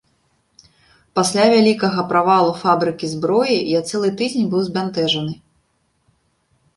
Пасля вялікага правалу фабрыкі зброі, я цэлы тыдзень быў збянтэжаны.